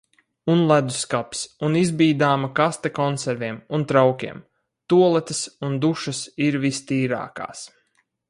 Un ledusskapis, un izbīdāma kaste konserviem un traukiem... Tualetes un dušas ir vistīrākās!